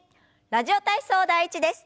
「ラジオ体操第１」です。